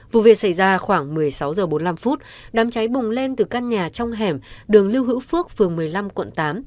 vụ việc xảy ra khoảng một mươi sáu h bốn mươi năm đám cháy bùng lên từ căn nhà trong hẻm đường lưu hữu phước phường một mươi năm quận tám